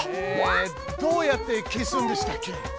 どうやって消すんでしたっけ。